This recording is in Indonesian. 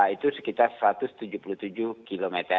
itu sekitar satu ratus tujuh puluh tujuh km